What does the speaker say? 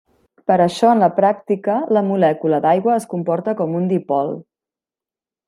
Per això en la pràctica, la molècula d'aigua es comporta com un dipol.